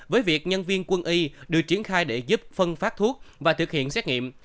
với việc nhân viên quân y được triển khai để giúp phân phát thuốc và thực hiện xét nghiệm